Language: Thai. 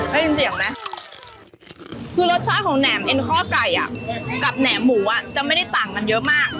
ได้ยินเสียงไหมคือรสชาติของแหมเอ็นข้อไก่อ่ะกับแหนมหมูอ่ะจะไม่ได้ต่างกันเยอะมาก